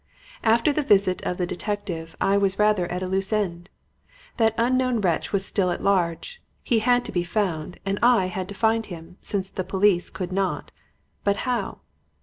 "After the visit of the detective, I was rather at a loose end. That unknown wretch was still at large. He had to be found and I had to find him since the police could not. But how?